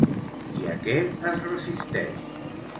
I a què es resisteix?